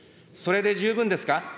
それで充分ですか。